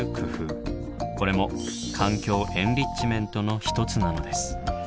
これも「環境エンリッチメント」の一つなのです。